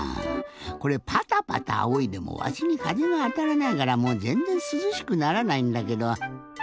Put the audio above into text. これパタパタあおいでもわしにかぜがあたらないからもうぜんぜんすずしくならないんだけど。